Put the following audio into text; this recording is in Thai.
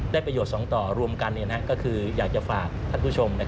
ประโยชน์สองต่อรวมกันก็คืออยากจะฝากท่านผู้ชม